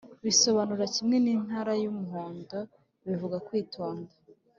bisobanura kimwe n’itara ry’umuhondo bivuga kwitonda